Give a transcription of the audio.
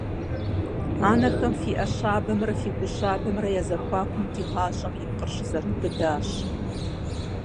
Анэхэм фи Ӏэ щабэмрэ фи гу щабэмрэ я зэхуакум ди гъащӀэм и пкъыр щызэрыубыдащ.